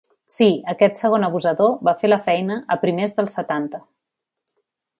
Sí, aquest segon abusador va fer la feina a primers dels setanta.